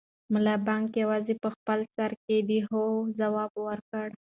ملا بانګ یوازې په خپل سر کې د هو ځواب ورکړ.